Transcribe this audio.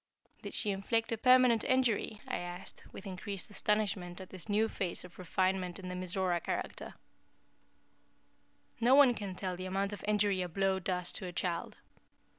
"Did she inflict a permanent injury?" I asked, with increased astonishment at this new phase of refinement in the Mizora character. "No one can tell the amount of injury a blow does to a child.